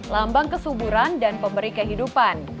lambang kesuburan dan pemberi kehidupan